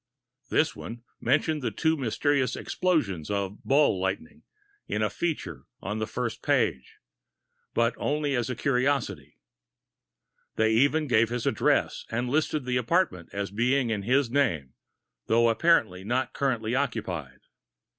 This one mentioned the two mysterious explosions of "ball lightning" in a feature on the first page, but only as curiosities. They even gave his address and listed the apartment as being in his name, though apparently not currently occupied.